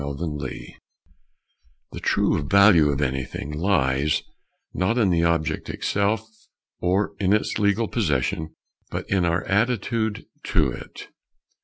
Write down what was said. _ OWNERSHIP The true value of anything lies, not in the object itself or in its legal possession, but in our attitude to it.